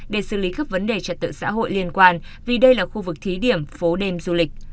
để xử lý các vấn đề trật tự xã hội liên quan vì đây là khu vực thí điểm phố đêm du lịch